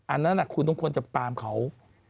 อันนั้นคุณต้องควรจะตามเขา